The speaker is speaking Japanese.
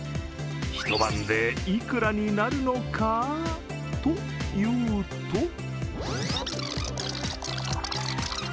一晩でいくらになるのかというと。